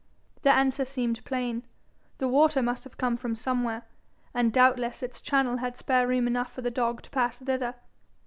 The answer seemed plain: the water must come from somewhere, and doubtless its channel had spare room enough for the dog to pass thither.